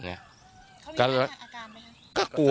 เขามีแรงอาการไหมครับ